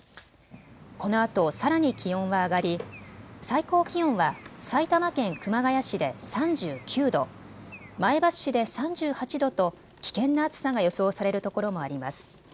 このあとさらに気温は上がり最高気温は埼玉県熊谷市で３９度、前橋市で３８度と危険な暑さが予想されるところもあります。